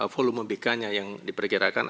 volume bk nya yang diperkirakan